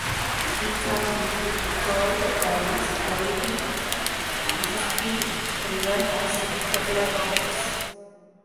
Streams have deeply carved valleys, while the Mississippi River has spectacular bluffs.